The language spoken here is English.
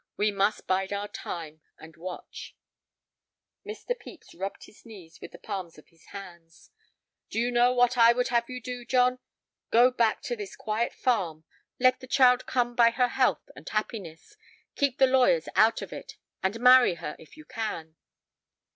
We must bide our time—and watch." Mr. Pepys rubbed his knees with the palms of his hands. "Do you know what I would have you do, John? Go back to this quiet farm; let the child come by her health and happiness. Keep the lawyers out of it, and marry her, if you can."